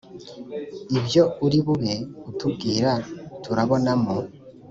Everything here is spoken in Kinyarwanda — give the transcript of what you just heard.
ibyo uri bube utubwira turabonamo